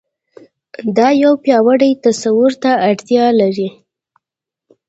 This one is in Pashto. دا يو پياوړي تصور ته اړتيا لري.